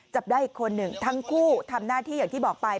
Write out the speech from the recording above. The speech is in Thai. จับได้อีกคนหนึ่งทั้งคู่ทำหน้าที่อย่างที่บอกไป